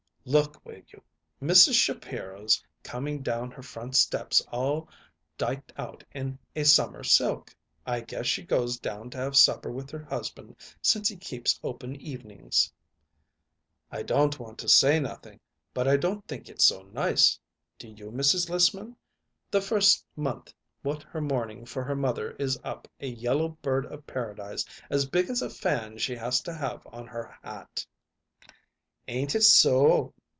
"Look, will you? Mrs. Shapiro's coming down her front steps all diked out in a summer silk. I guess she goes down to have supper with her husband, since he keeps open evenings." "I don't want to say nothing; but I don't think it's so nice do you, Mrs. Lissman? the first month what her mourning for her mother is up a yellow bird of paradise as big as a fan she has to have on her hat." "Ain't it so!"